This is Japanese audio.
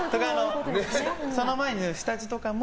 その前に下地とかも。